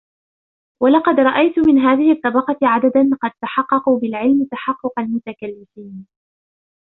وَلَقَدْ رَأَيْت مِنْ هَذِهِ الطَّبَقَةِ عَدَدًا قَدْ تَحَقَّقُوا بِالْعِلْمِ تَحَقُّقَ الْمُتَكَلِّفِينَ